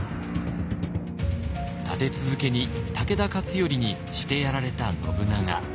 立て続けに武田勝頼にしてやられた信長。